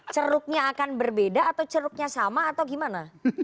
ceruknya akan berbeda atau ceruknya sama atau gimana